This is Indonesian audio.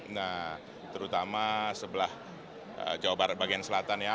nah terutama sebelah jawa barat bagian selatan ya